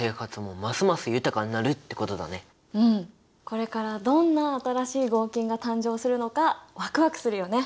これからどんな新しい合金が誕生するのかワクワクするよね！